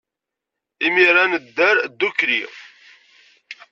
Imir-a, nedder ddukkli.